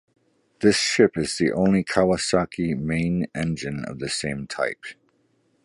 This ship is the only Kawasaki main engine of the same type.